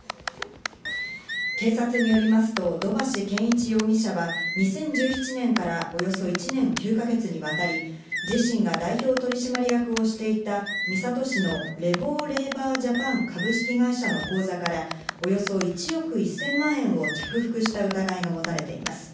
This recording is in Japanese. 警察によりますと土橋建一容疑者は、２０１７年からおよそ１年９か月にわたり自身が代表取締役をしていた三郷市のレボー・レーバー・ジャパン株式会社の口座からおよそ１億１０００万円を着服した疑いが持たれています。